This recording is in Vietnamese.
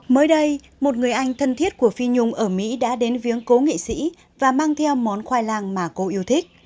mới đây một người anh thân thiết của phi nhung ở mỹ đã đến viếng cố nghệ sĩ và mang theo món khoai lang mà cô yêu thích